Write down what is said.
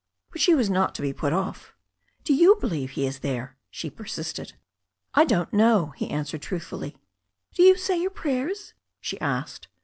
But she was not to be put off. "Do you believe He is there ?" she persisted. "I don't know," he answered truthfully. "Do you say your prayers?" she asked.